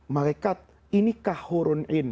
malaikat ini kahurunin